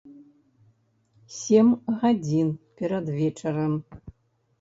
Сем гадзін перад вечарам.